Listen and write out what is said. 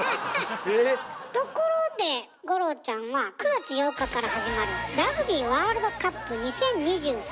ところで五郎ちゃんは９月８日から始まるラグビーワールドカップ２０２３